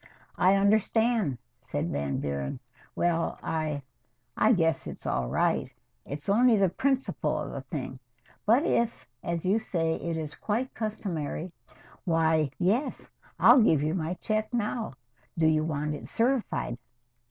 "I understand," said Van Buren. "Well I I guess it's all right. It's only the principle of the thing but if, as you say, it is quite customary why, yes. I'll give you my check now. Do you want it certified?"